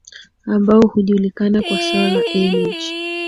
ambao hujulikana kwa swala energy